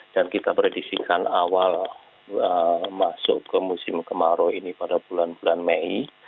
dan kita prediksikan awal masuk ke musim kemarau ini pada bulan bulan mei